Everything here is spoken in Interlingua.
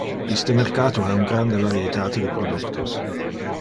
Iste mercato ha un grande varietate de productos.